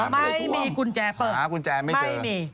อ๋อเหรอนะหากุญแจไม่เจอไม่มีกุญแจเปิด